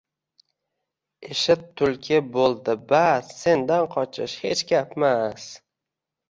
Eshit, tulki, bo’ldi bas, sendan qochish hech gapmas